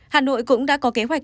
hà nội cũng đã có kế hoạch